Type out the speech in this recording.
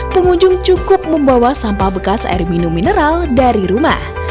pengunjung cukup membawa sampah bekas air minum mineral dari rumah